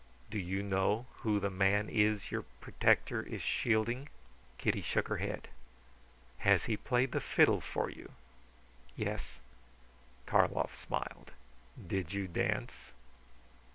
Do you know who the man is your protector is shielding?" Kitty shook her head. "Has he played the fiddle for you?" "Yes." Karlov smiled. "Did you dance?"